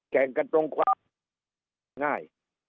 แข่งกันตรงความง่าย